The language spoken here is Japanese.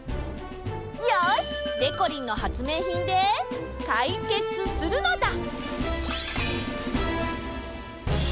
よし！でこりんの発明品でかいけつするのだ！